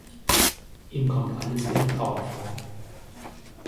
Ihm kommt alles wie ein Traum vor.